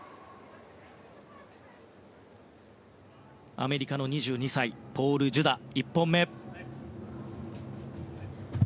アメリカの２２歳ポール・ジュダ、１本目。